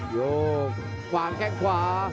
โยกวางแข้งขวา